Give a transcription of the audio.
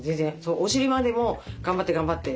お尻までも頑張って頑張って。